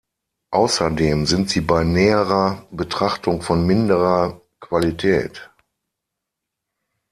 Außerdem sind sie bei näherer Betrachtung von minderer Qualität.